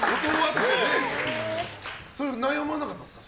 悩まなかったんですか？